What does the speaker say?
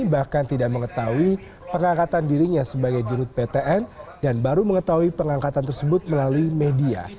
bahkan tidak mengetahui pengangkatan dirinya sebagai dirut ptn dan baru mengetahui pengangkatan tersebut melalui media